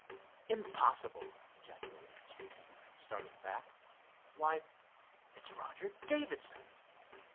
"Impossible!" ejaculated Mr. King, starting back. "Why, it's Roger Davidson!"